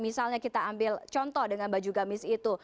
misalnya kita ambil contoh dengan baju gamis itu